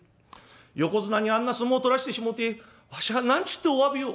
横綱にあんな相撲取らしてしもうてわしゃ何つっておわびを」。